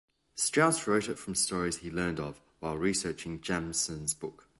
Strauss wrote it from stories he learned of while researching Jameson's book.